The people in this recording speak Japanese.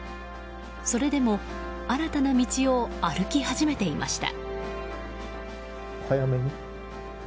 それでも、新たな道を歩き始めていました。